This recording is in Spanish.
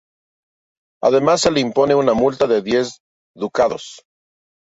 Además se le impone una multa de diez ducados.